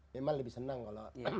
memang lebih senang kalau